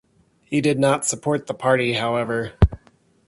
He did not support the party, however.